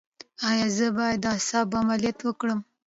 ایا زه باید د اعصابو عملیات وکړم؟